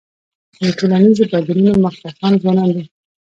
د ټولنیزو بدلونونو مخکښان ځوانان دي.